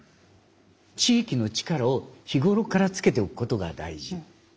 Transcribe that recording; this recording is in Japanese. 地域の力を日頃からつけておくことが大事なんですね。